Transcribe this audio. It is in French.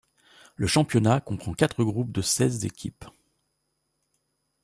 Le championnat comprend quatre groupes de seize équipes.